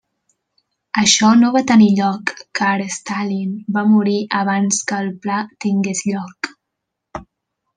Això no va tenir lloc car Stalin va morir abans que el pla tingués lloc.